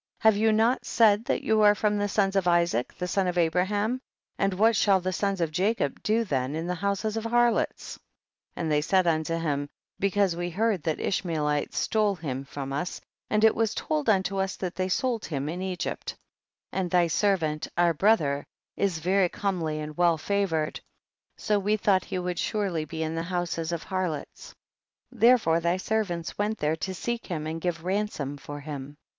have you not said that you are from the sons of Isaac, the son of Abraham, and what shall the sons of Jacob do theyi in the houses of harlots ? 28. And they said unto him, be cause we heard that Ishmaelites stole him from us, and it was told unto us that they sold him in Egypt, and thy servant, our brother, is very comely and well favored, so we thought he would surely be in the houses of har lots, therefore thy servants went there to seek him and give ransom for him.